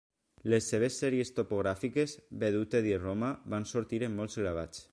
Les seves sèries topogràfiques, "Vedute di Roma", van sortir en molts gravats.